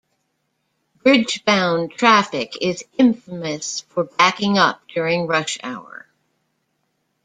Bridge-bound traffic is infamous for backing up during rush hour.